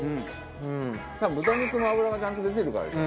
豚肉の脂がちゃんと出てるからでしょうね。